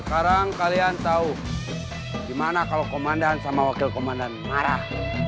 sekarang kalian tahu gimana kalau komandan sama wakil komandan marah